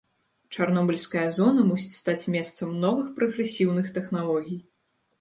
Чарнобыльская зона мусіць стаць месцам новых прагрэсіўных тэхналогій.